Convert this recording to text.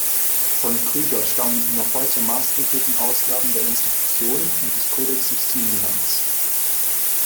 Von Krüger stammen die noch heute maßgeblichen Ausgaben der Institutionen und des Codex Justinians.